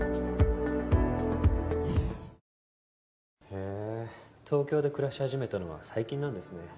へぇ東京で暮らし始めたのは最近なんですね。